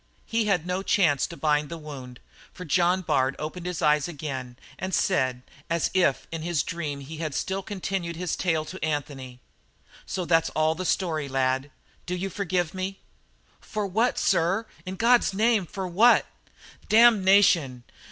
He had no chance to bind the wound, for John Bard opened his eyes again and said, as if in his dream he had still continued his tale to Anthony. "So that's all the story, lad. Do you forgive me?" "For what, sir? In God's name, for what?" "Damnation!